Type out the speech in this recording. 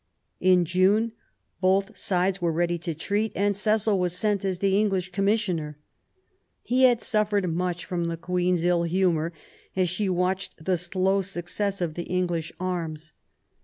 In June both sides were ready to treat, and Cecil was sent as the English Commissioner. He had suffered much from the Queen's ill humour as she watched the slow success of the English arms.